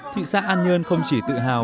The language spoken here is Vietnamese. thị xã an nhơn không chỉ tự hào